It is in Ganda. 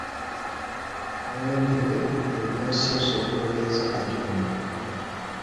Weenyiwe eby’ensi osooke oweereze Katonda.